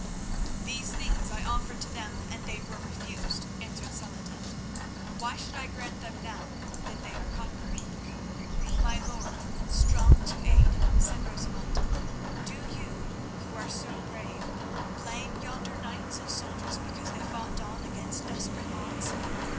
"These things I offered to them, and they were refused," answered Saladin. "Why should I grant them now that they are conquered?" "My lord, Strong to Aid," said Rosamund, "do you, who are so brave, blame yonder knights and soldiers because they fought on against desperate odds?